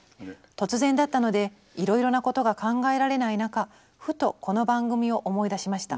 突然だったのでいろいろなことが考えられない中ふとこの番組を思い出しました。